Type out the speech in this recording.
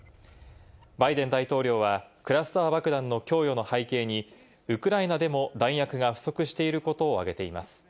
バイデン大統領はクラスター爆弾の供与の背景に、ウクライナでも弾薬が不足していることをあげています。